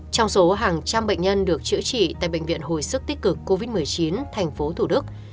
trong số hàng trăm bệnh nhân được chữa trị tại bệnh viện hồi sức tích cực covid một mươi chín thành phố thủ đức